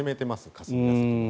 霞が関は。